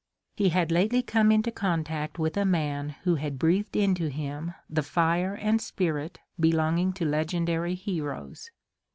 He had lately come into contact with a man who had breathed into him the fire and spirit belonging to legendary heroes.